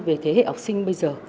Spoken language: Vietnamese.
về thế hệ học sinh bây giờ